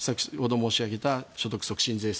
申し上げた所得促進税制